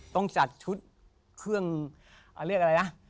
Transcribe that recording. ต้องจัดชุดเครื่องเรียกอะไรนะ